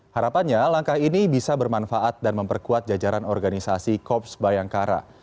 harapannya langkah ini bisa bermanfaat dan memperkuat jajaran organisasi kops bayangkara